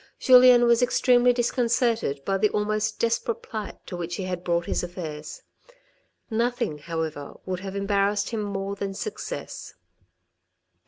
Julien was extremely disconcerted by the almost desperate plight to which he had brought his affairs. Nothing, however, would have embarassed him more than success.